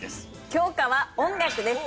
教科は音楽です。